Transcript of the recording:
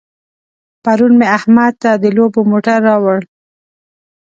پرون مې احمد ته د لوبو موټر راوړ.